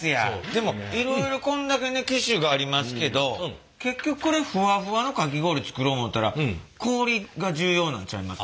でもいろいろこんだけね機種がありますけど結局これふわふわのかき氷作ろう思ったら氷が重要なんちゃいますの？